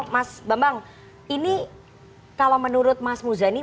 mas bambang ini kalau menurut mas muzani